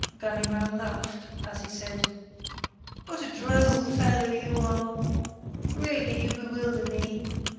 Ganimard laughed, as he said: "What a droll fellow you are! Really, you bewilder me.